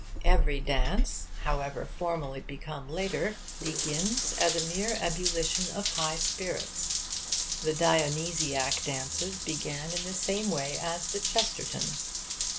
Every dance, however formal it become later, begins as a mere ebullition of high spirits. The Dionysiac dances began in the same way as 'the Chesterton.'